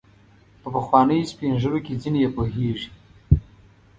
په پخوانیو سپین ږیرو کې ځینې یې پوهیږي.